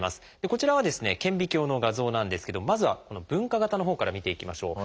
こちらは顕微鏡の画像なんですけどまずはこの分化型のほうから見ていきましょう。